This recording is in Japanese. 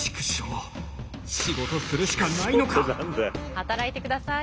働いてください。